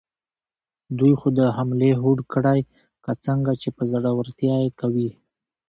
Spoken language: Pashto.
دوی خو د حملې هوډ کړی، که څنګه، چې په زړورتیا یې کوي؟